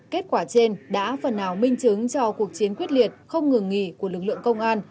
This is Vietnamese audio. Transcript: kết quả trên đã phần nào minh chứng cho cuộc chiến quyết liệt không ngừng nghỉ của lực lượng công an